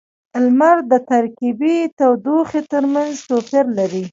• لمر د ترکيبی تودوخې ترمینځ توپیر لري.